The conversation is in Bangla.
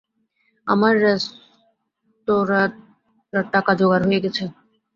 আমার রেস্তোরাঁের টাকা জোগাড় হয়ে গেছে!